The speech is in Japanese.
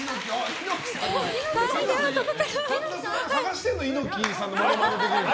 猪木さんのものまねできる人。